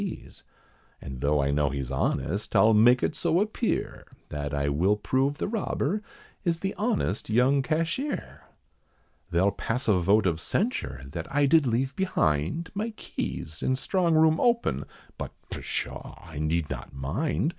P.'s; And though I know he's honest, I'll make it so appear, That I will prove the robber, is the honest young cashier. They'll pass a vote of censure, that I did leave behind, My keys, and strong room open, but, pshaw! I need not mind.